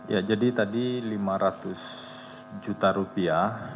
ya jadi tadi lima ratus juta rupiah